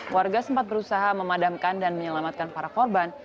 warga sempat berusaha memadamkan dan menyelamatkan para korban